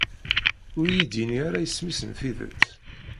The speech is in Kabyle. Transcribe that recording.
Ur yi-d-ini ara isem-is n tidet.